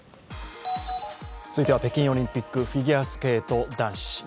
続いては北京オリンピック、フィギュアスケート男子。